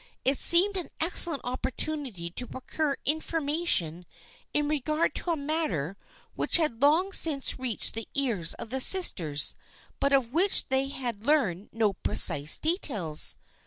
It seemed an excellent opportunity to procure information in regard to a matter which had long since reached the ears of the sisters but of which they had learned no precise details.